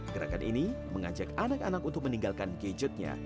gerakan ini mengajak anak anak untuk meninggalkan gadgetnya